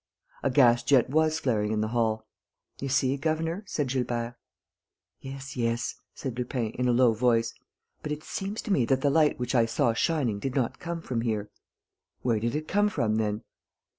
A gas jet was flaring in the hall. "You see, governor...." said Gilbert. "Yes, yes," said Lupin, in a low voice, "but it seems to me that the light which I saw shining did not come from here...." "Where did it come from then?"